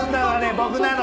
僕なの。